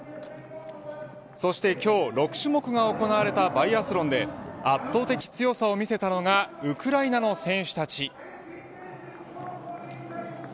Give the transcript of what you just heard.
そして今日６種目が行われたバイアスロンで圧倒的強さを見せたのがウクライナの選手たち。